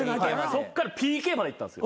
そっからＰＫまでいったんですよ。